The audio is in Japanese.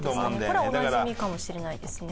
これはおなじみかもしれないですね。